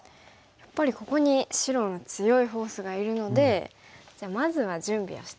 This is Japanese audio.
やっぱりここに白の強いフォースがいるのでじゃあまずは準備をしてみます。